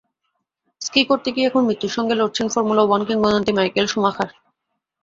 Ski করতে গিয়ে এখন মৃত্যুর সঙ্গে লড়ছেন ফর্মুলা ওয়ান কিংবদন্তি মাইকেল শুমাখার।